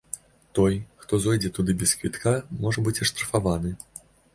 Той, хто зойдзе туды без квітка, можа быць аштрафаваны.